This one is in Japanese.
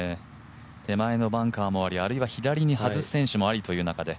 手前のバンカーもあり、あるいは左に外す選手ありということで。